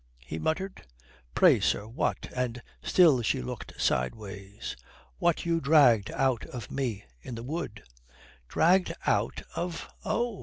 he muttered. "Pray, sir, what?" and still she looked sideways. "What you dragged out of me in the wood." "Dragged out of oh!"